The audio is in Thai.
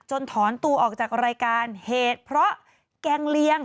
ถอนตัวออกจากรายการเหตุเพราะแกงเลียง